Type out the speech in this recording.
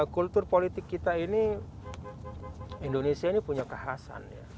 kultur politik kita ini indonesia ini punya kehasan